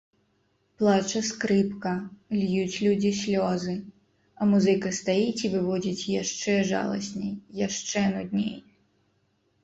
Плача скрыпка, льюць людзі слёзы, а музыка стаіць і выводзіць яшчэ жаласней, яшчэ нудней.